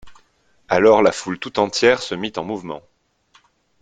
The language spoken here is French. Alors la foule tout entière se mit en mouvement.